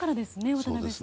渡辺さん。